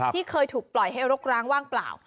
ที่เคยถูกปล่อยให้รกร้างว่างเปล่า